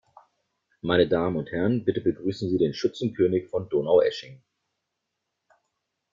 Meine Damen und Herren, bitte begrüßen Sie den Schützenkönig von Donaueschingen!